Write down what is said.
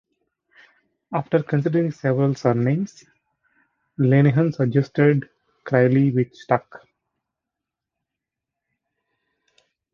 After considering several surnames, Linehan suggested Crilly, which stuck.